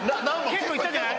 結構いったんじゃない？